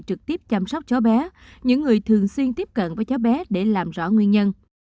trực tiếp chăm sóc cháu bé những người thường xuyên tiếp cận với cháu bé để làm rõ nguyên nhân